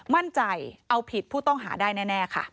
มั่นใจเอาผิดผู้ต้องหาได้แน่ค่ะ